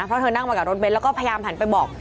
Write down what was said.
เพราะเธอนั่งมากับรถเบ้นแล้วก็พยายามหันไปบอก